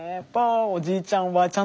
おじいちゃん